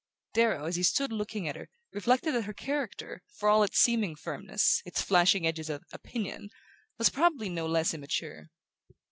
Darrow, as he stood looking at her, reflected that her character, for all its seeming firmness, its flashing edges of "opinion", was probably no less immature.